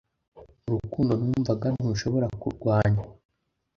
urukundo numvaga ntushobora kurwanywa